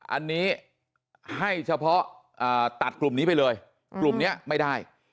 อันนี้ให้เฉพาะตัดกลุ่มนี้ไปเลยกลุ่มนี้ไม่ได้